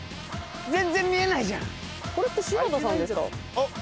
全然見えないじゃん。